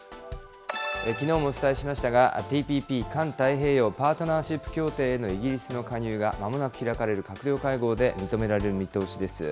きのうもお伝えしましたが、ＴＰＰ・環太平洋パートナーシップ協定へのイギリスの加入が、まもなく開かれる閣僚会合で認められる見通しです。